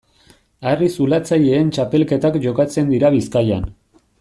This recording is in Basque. Harri-zulatzaileen txapelketak jokatzen dira Bizkaian.